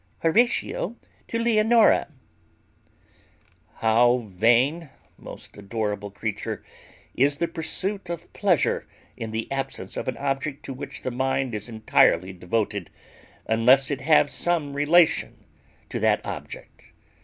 HORATIO TO LEONORA. "How vain, most adorable creature, is the pursuit of pleasure in the absence of an object to which the mind is entirely devoted, unless it have some relation to that object!